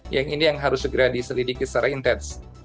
yang ini yang harus segera diselidiki secara intens